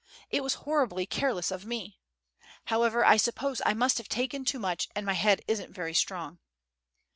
It was horribly careless of me. However, I suppose I must have taken too much, and my head isn't very strong.